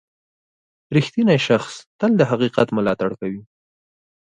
• رښتینی شخص تل د حقیقت ملاتړ کوي.